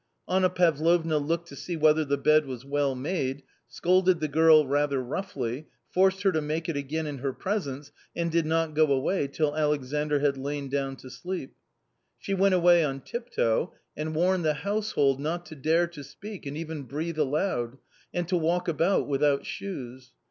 Anna Pavlovna looked to see whether the bed was well made, scolded the girl rather roughly, forced her to make it again in her presence, and did not go away till Alexandr had lain down to sleep. She went away on tiptoe, and warned the household not to dare to speak and even breathe \ aloud, and to walk about without shoes.